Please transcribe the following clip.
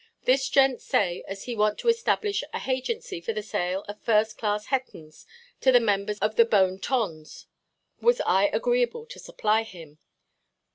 This gent say as he want to establish a hagency for the sale of first–class Hettons to the members of the bone tons: was I agreeable to supply him?